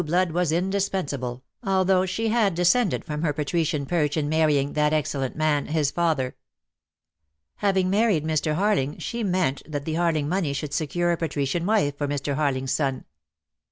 blood was indispensable, although she had descended from her patrician perch in marrying that excellent man, his father. Having married Mr. Harling she meant that the Harling money should secure a patrician wife for Mr. Harling's son.